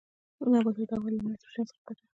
نباتات د هوا له نایتروجن څخه ګټه اخلي.